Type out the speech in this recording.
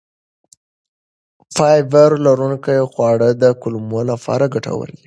فایبر لرونکي خواړه د کولمو لپاره ګټور دي.